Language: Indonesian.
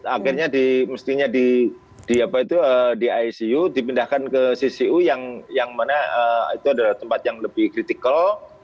akhirnya mestinya di icu dipindahkan ke ccu yang mana itu adalah tempat yang lebih kritikal